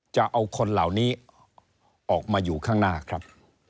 จะเอาคนเหล่านี้ออกมาอยู่ข้างหน้าครับ